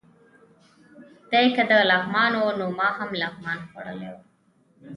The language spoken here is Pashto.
دی که د لغمان و، نو ما هم لغمان خوړلی و.